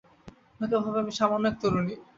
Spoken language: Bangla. লোকে ভাবে আমি সামান্য এক তরুণী।